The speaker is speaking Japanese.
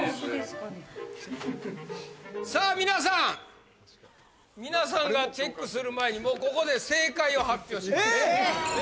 これさあ皆さん皆さんがチェックする前にもうここで正解を発表しますええー？